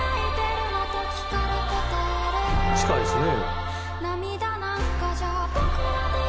近いですね。